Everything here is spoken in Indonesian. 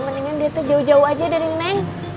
mendingan dia tuh jauh jauh aja dari neng